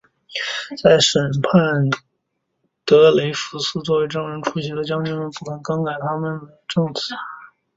在审判德雷福斯时作为证人出庭的将军们不肯修改他们的证词。